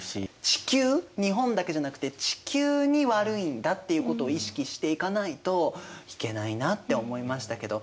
地球日本だけじゃなくて地球に悪いんだっていうことを意識していかないといけないなって思いましたけど。